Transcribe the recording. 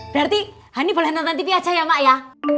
berarti hani boleh nonton tv aja ya mak ya